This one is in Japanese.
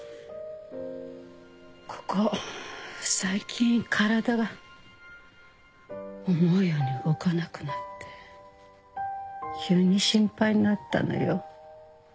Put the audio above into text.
ここ最近体が思うように動かなくなって急に心配になったのよ。